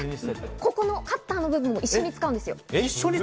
ここのカッターの部分も一緒に使うんですよ。